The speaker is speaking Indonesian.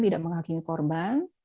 tidak menghakimi korban